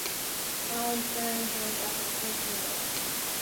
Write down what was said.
Alan Turing joined after the first meeting.